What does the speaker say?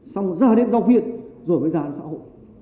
xong rồi ra đến giáo viên rồi mới ra đến xã hội